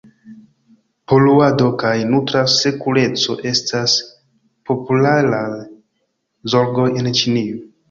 Poluado kaj nutra sekureco estas popularaj zorgoj en Ĉinio.